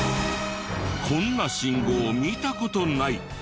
こんな信号見た事ない！